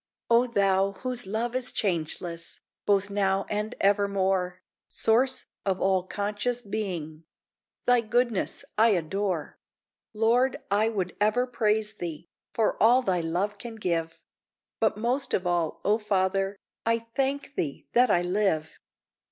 O Thou, whose love is changeless, Both now and evermore, Source of all conscious being! Thy goodness I adore. Lord, I would ever praise Thee For all Thy love can give; But most of all, O Father, I thank Thee that I live.